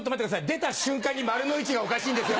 出た瞬間に「○」の位置がおかしいんですよ